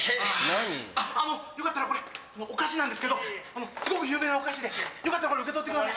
あのよかったらこれお菓子なんですけどすごく有名なお菓子でよかったらこれ受け取ってください。